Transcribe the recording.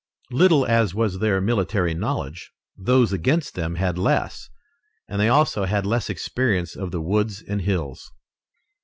Little as was their military knowledge, those against them had less, and they also had less experience of the woods and hills.